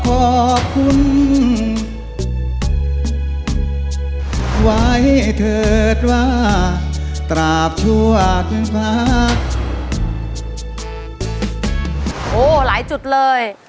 โอ้โหหลายจุดเลย